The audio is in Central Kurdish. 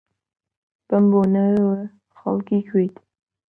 بەم بۆنەیەوە، خەڵکی کوێیت؟